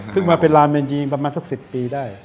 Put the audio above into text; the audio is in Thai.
เพิ่งมาเป็นร้านเมงนี่ประมาณสัก๑๐ปีได้